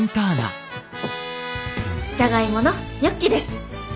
じゃがいものニョッキです。